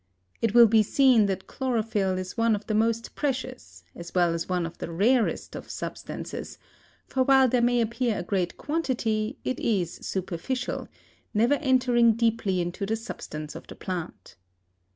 It will be seen that chlorophyll is one of the most precious, as well as one of the rarest of substances, for while there may appear a great quantity it is superficial, never entering deeply into the substance of the plant.